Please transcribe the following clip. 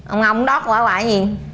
ông ông cũng đót quả quả gì